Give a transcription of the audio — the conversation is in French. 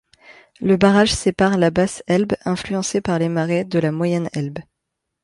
Le barrage sépare la Basse-Elbe, influencée par les marées, de la moyenne-Elbe.